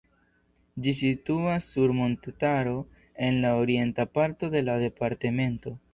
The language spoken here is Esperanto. Ĝi situas sur montetaro en la orienta parto de la departemento.